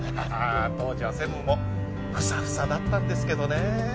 当時は専務もフサフサだったんですけどね